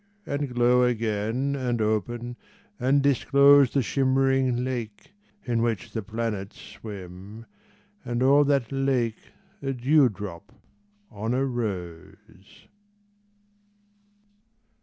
And glow again, and open, and disclose The shimmering lake in which the planets swim, And all that lake a dewdrop on a rose.